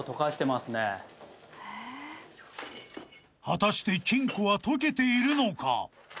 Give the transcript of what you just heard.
［果たして金庫は溶けているのか？］